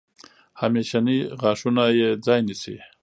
همیشني غاښونه یې ځای نیسي.